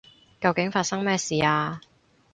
究竟發生咩事啊？